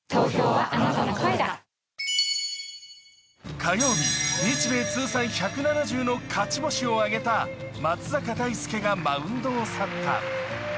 火曜日、日米通算１７０の勝ち星を挙げた松坂大輔がマウンドを去った。